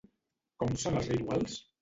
Com són els rituals?